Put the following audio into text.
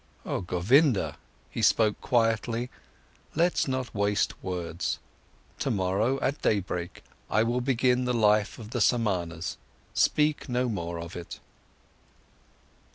"O Govinda," he spoke quietly, "let's not waste words. Tomorrow, at daybreak I will begin the life of the Samanas. Speak no more of it."